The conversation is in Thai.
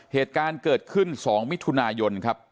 เหตุการณ์เกิดขึ้น๒มิถุนายนครับ